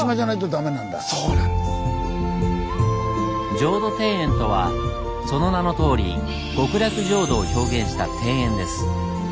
浄土庭園とはその名のとおり極楽浄土を表現した庭園です。